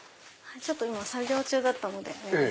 今作業中だったので。